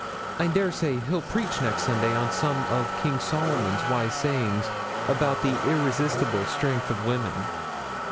I dare say he'll preach next Sunday on some of King Solomon's wise sayings about the irresistible strength of women.'